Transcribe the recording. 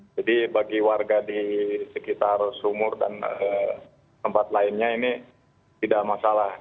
jadi bagi warga di sekitar sungur dan tempat lainnya ini tidak masalah